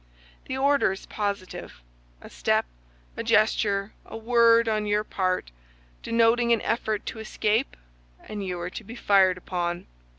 The order is positive. A step, a gesture, a word, on your part, denoting an effort to escape, and you are to be fired upon.